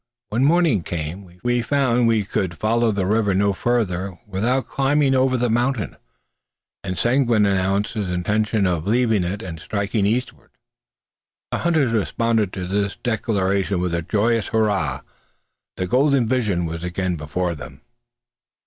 When morning came, we found we could follow the river no farther without climbing over the mountain; and Seguin announced his intention of leaving it and striking eastward. The hunters responded to this declaration with a joyous hurrah. The golden vision was again before them.